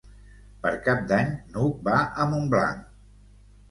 Per Cap d'Any n'Hug va a Montblanc.